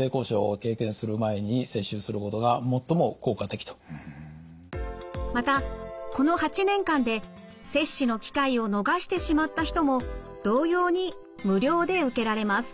そのため初めてのまたこの８年間で接種の機会を逃してしまった人も同様に無料で受けられます。